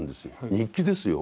日記ですよ。